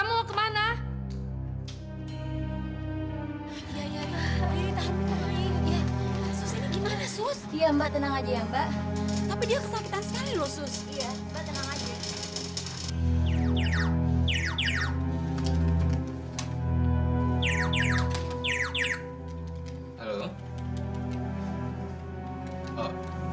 mar mbak mau kasih tahu